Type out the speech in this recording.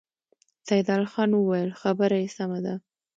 سيدال خان وويل: خبره يې سمه ده.